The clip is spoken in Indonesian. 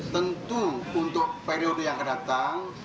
tentu untuk periode yang akan datang